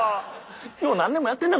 よう何年もやってんな